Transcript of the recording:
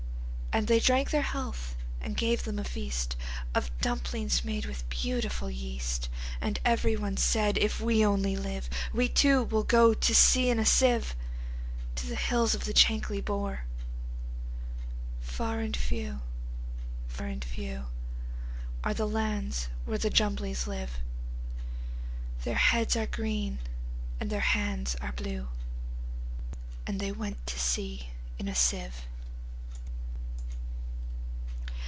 And they drank their health, and gave them a feastOf dumplings made of beautiful yeast; And every one said, "If we only live, We, too, will go to sea in a sieve, To the hills of the Chankly Bore."Far and few, far and few, Are the lands where the Jumblies live:Their heads are green, and their hands are blue; And they went to sea in a sieve.